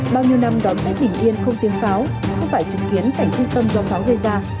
bao nhiêu năm đón tết bình yên không tiếng pháo không phải chứng kiến cảnh thương tâm do pháo gây ra